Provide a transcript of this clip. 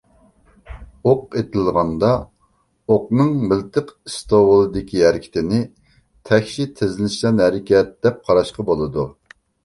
ئوق ئېتىلغاندا، ئوقنىڭ مىلتىق ئىستوۋۇلىدىكى ھەرىكىتىنى تەكشى تېزلىنىشچان ھەرىكەت دەپ قاراشقا بولىدۇ.